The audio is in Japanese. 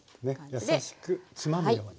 優しくつまむように。